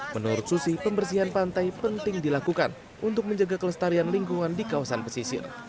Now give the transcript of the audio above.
menurut susi pembersihan pantai penting dilakukan untuk menjaga kelestarian lingkungan di kawasan pesisir